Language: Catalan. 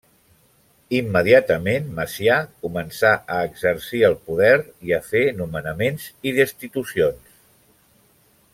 Immediatament Macià començà a exercir el poder i a fer nomenaments i destitucions.